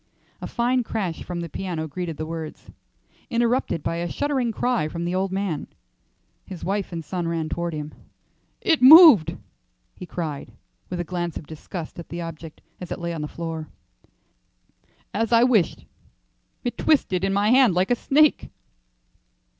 A fine crash from the piano greeted the words, interrupted by a shuddering cry from the old man. His wife and son ran toward him. "It moved," he cried, with a glance of disgust at the object as it lay on the floor. "As I wished, it twisted in my hand like a snake."